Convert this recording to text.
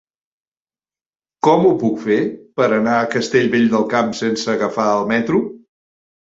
Com ho puc fer per anar a Castellvell del Camp sense agafar el metro?